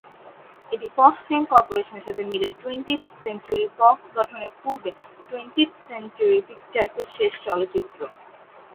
এটি Fox film করপোরেশনের সাথে মিলে টুয়েন্টিয়েথ সেঞ্চুরি ফক্স গঠনের পূর্বে টুয়েন্টিয়েথ সেঞ্চুরি পিকচার্সের শেষ চলচ্চিত্র।